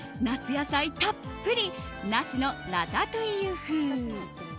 野菜たっぷりナスのラタトゥイユ風。